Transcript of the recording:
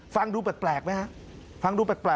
ฟังดูแปลกไหมฮะ